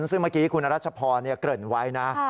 ซึ่งเมื่อกี้คุณรัชพรเกริ่นไว้นะ